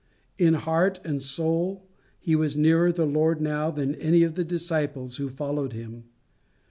In heart and soul he was nearer the Lord now than any of the disciples who followed him.